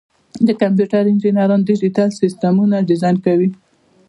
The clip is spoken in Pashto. د کمپیوټر انجینران ډیجیټل سیسټمونه ډیزاین کوي.